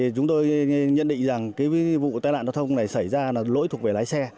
chúng tôi nhận định rằng vụ tai nạn giao thông này xảy ra là lỗi thuộc về lái xe